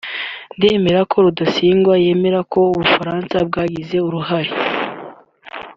ndemera ko Rudasingwa yemera ko Ubufaransa bwagize uruhare